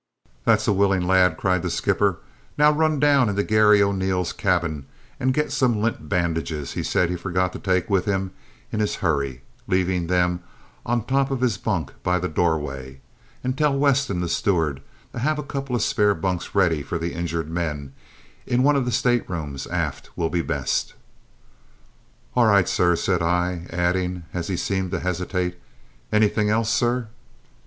"That's a willing lad," cried the skipper. "Now run down into Garry O'Neil's cabin and get some lint bandages he says he forgot to take with him in his hurry, leaving them on the top of his bunk by the doorway; and tell Weston, the steward, to have a couple of spare bunks ready for the injured men in one of the state rooms aft will be best." "All right, sir," said I, adding, as he seemed to hesitate, "anything else, sir?"